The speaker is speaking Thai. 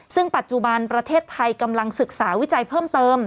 ซึ่งปัจจุบันประเทศไทยกำลังศึกษาวิจัยเพิ่มเติม